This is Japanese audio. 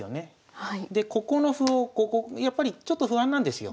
でここの歩をここやっぱりちょっと不安なんですよ。